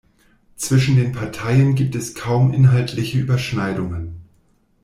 Zwischen den Parteien gibt es kaum inhaltliche Überschneidungen.